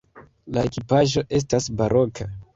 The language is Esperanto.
La ekipaĵo estas baroka.